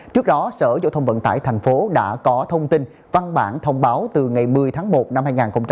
trước đó sở giao thông vận tải thành phố đã có thông tin văn bản thông báo từ ngày một mươi tháng một năm hai nghìn hai mươi